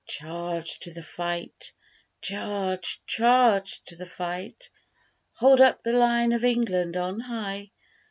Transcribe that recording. charge to the fight: Charge! charge to the fight! Hold up the Lion of England on high!